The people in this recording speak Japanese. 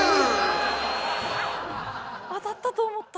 当たったと思った。